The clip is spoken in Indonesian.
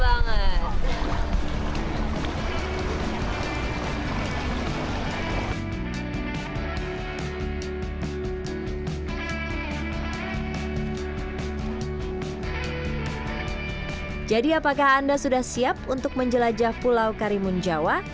hai jadi apakah anda sudah siap untuk menjelajah pulau karimun jawa